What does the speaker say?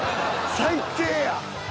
最低や。